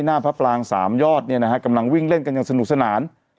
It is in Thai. หน้าพระปรางสามยอดเนี่ยนะฮะกำลังวิ่งเล่นกันอย่างสนุกสนาน